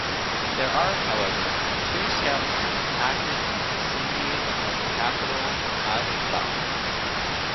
There are, however, two Scout troops active in the vicinity of the capital, Ashgabat.